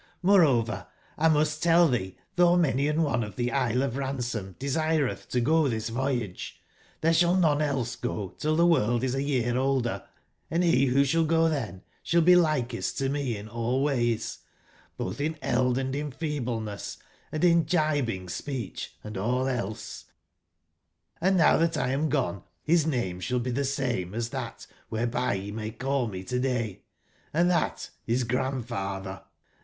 JVloreover Imust tell thee that though many an one of tbe Isle of Ran som desireth to go this voyage, there shall none else go, till tbe world is a year older, and he who shall go then shall be likest to me in all ways, both in eld and in feebleness, and in gibing speech, and all else; and now tbat 1 am gone, his name shall be tbe same as tbat whereby ye may call me to/day, and tbat is Grandfather.